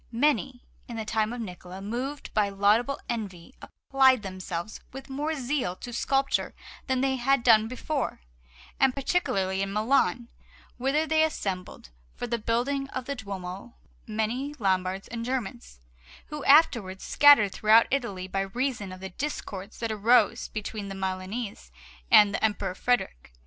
Many, in the time of Niccola, moved by laudable envy, applied themselves with more zeal to sculpture than they had done before, and particularly in Milan, whither there assembled for the building of the Duomo many Lombards and Germans, who afterwards scattered throughout Italy by reason of the discords that arose between the Milanese and the Emperor Frederick.